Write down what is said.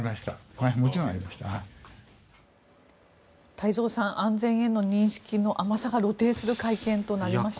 太蔵さん安全への認識の甘さが露呈する会見となりました。